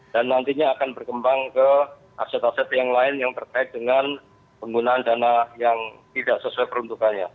dan nantinya akan berkembang ke aset aset yang lain yang terkait dengan penggunaan dana yang tidak sesuai peruntukannya